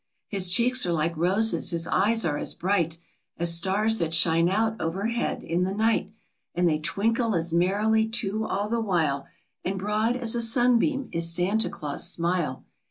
His cheeks are like roses; his eyes are as bright As stars that shine out overhead in the n ight, And they twinkle as merrily too all the while, And broad as a sunbeam is Santa Claus' smile.